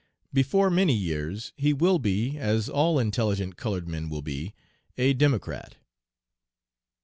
Before many years he will be, as all intelligent colored men will be, a democrat."